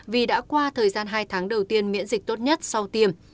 vì đã qua thời gian hai tháng đầu tiên miễn dịch tốt nhất sau tiêm